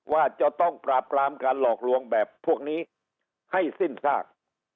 ว่าจะต้องปราบปรามการหลอกลวงแบบพวกนี้ให้สิ้นซาก